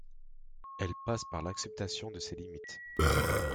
Elle passe par l'acceptation de ses limites.